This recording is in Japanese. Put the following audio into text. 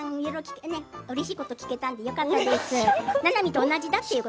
うれしいことが聞けたのでよかったです。